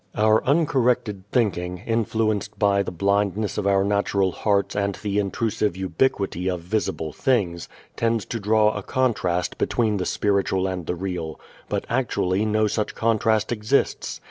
Our uncorrected thinking, influenced by the blindness of our natural hearts and the intrusive ubiquity of visible things, tends to draw a contrast between the spiritual and the real; but actually no such contrast exists.